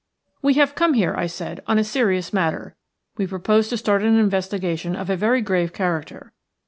"We have come here," I said, "on a serious matter. We propose to start an investigation of a very grave character.